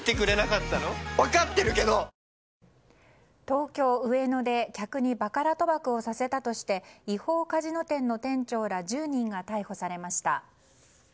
東京・上野で客にバカラ賭博をさせたとして違法カジノ店の店長ら１０人が逮捕されました。